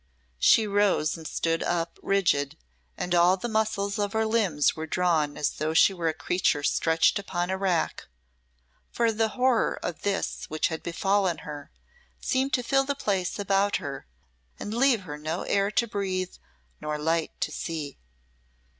She rose and stood up rigid, and all the muscles of her limbs were drawn as though she were a creature stretched upon a rack; for the horror of this which had befallen her seemed to fill the place about her, and leave her no air to breathe nor light to see.